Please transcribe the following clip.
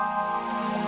sekarang lu liat tangan